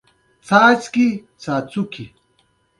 آیا د چرګانو واکسین تولیدیږي؟